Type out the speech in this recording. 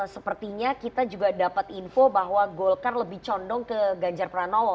sepertinya kita juga dapat info bahwa golkar lebih condong ke ganjar pranowo